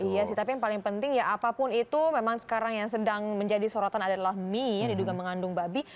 iya sih tapi yang paling penting ya apapun itu memang sekarang yang sedang menjadi sorotan adalah mie yang diduga mengandung babi